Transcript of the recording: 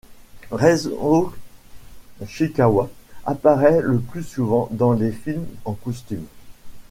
Raizō Ichikawa apparaît le plus souvent dans des films en costume.